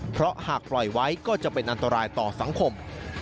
เพราะหากปล่อยไว้ก็จะเป็นอันตรายต่อสังคม